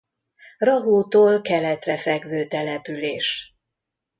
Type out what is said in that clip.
Rahótól keletre fekvő település.